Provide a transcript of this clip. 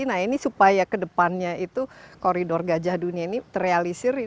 nah ini supaya kedepannya itu koridor gajah dunia ini terrealisir